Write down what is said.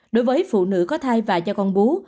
đối với phụ nữ có thai và cho con bú